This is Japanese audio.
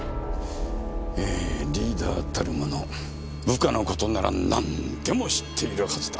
ええリーダーたる者部下の事ならなんでも知っているはずだ。